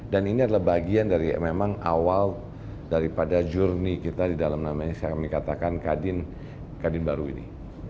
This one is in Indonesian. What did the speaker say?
dan ini adalah bagian dari memang awal daripada journey kita di dalam namanya kami katakan kadin baru ini